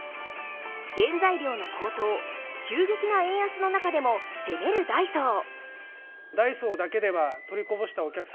原材料の高騰、急激な円安の中でも攻めるダイソー。